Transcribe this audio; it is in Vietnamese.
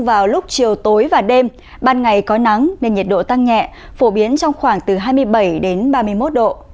vào lúc chiều tối và đêm ban ngày có nắng nên nhiệt độ tăng nhẹ phổ biến trong khoảng từ hai mươi bảy đến ba mươi một độ